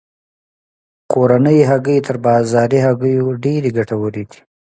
کورنۍ هګۍ تر بازاري هګیو ډیرې ګټورې دي.